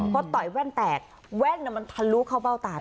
พอต่อยแว่นแตกแว่นมันทะลุเข้าเบ้าตา